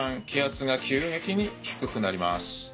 気圧が急激に低くなります。